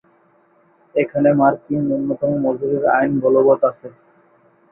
এখানে মার্কিন ন্যূনতম মজুরির আইন বলবৎ আছে।